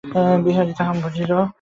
বিহারী তাহা বুঝিল।